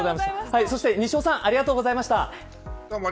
西尾さんありがとうございました。